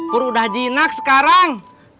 pur udah jinak sekarang